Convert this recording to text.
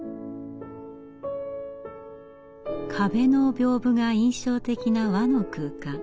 壁の屏風が印象的な和の空間。